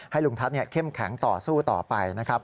ลุงทัศน์เข้มแข็งต่อสู้ต่อไปนะครับ